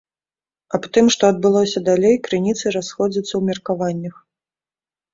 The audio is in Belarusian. Аб тым, што адбылося далей крыніцы расходзяцца ў меркаваннях.